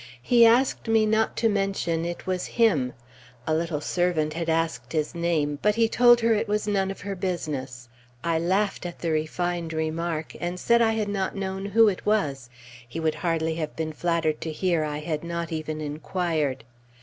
He asked me not to mention it was "him"; a little servant had asked his name, but he told her it was none of her business. I laughed at the refined remark, and said I had not known who it was he would hardly have been flattered to hear I had not even inquired.